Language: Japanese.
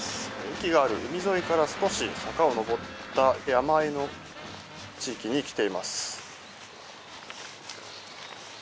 駅がある海沿いから少し坂を上った山あいの地域に来ています。